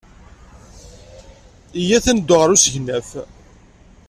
Iyyat ad neddu ɣer usegnaf.